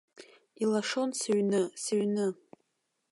Илашон сыҩны, сыҩны.